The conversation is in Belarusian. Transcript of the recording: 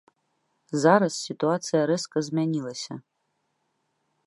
Зараз сітуацыя рэзка змянілася.